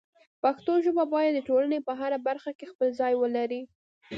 پښتو ژبه باید د ټولنې په هره برخه کې خپل ځای ولري.